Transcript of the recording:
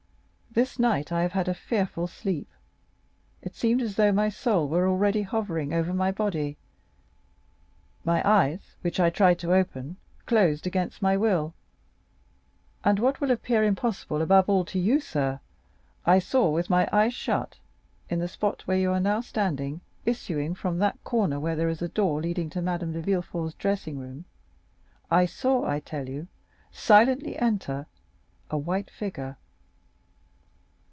This night I have had a fearful sleep. It seemed as though my soul were already hovering over my body, my eyes, which I tried to open, closed against my will, and what will appear impossible above all to you, sir, I saw, with my eyes shut, in the spot where you are now standing, issuing from that corner where there is a door leading into Madame Villefort's dressing room—I saw, I tell you, silently enter, a white figure."